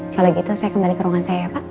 kalau gitu saya kembali ke ruangan saya ya pak